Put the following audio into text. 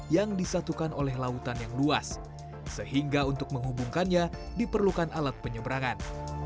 yang disatukan oleh lautan yang luas sehingga untuk menghubungkannya diperlukan alat penyeberangan